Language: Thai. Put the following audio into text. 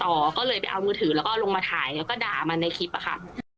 ต่อก็เลยไปเอามือถือแล้วก็ลงมาถ่ายแล้วก็ด่ามันในคลิปอะค่ะ